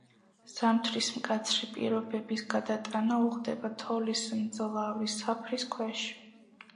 ზამთრის მკაცრი პირობების გადატანა უხდება თოვლის მძლავრი საფრის ქვეშ.